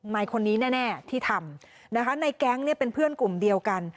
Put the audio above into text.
นายคนนี้แน่ที่ทำนะคะในแก๊งเนี่ยเป็นเพื่อนกลุ่มเดียวกัน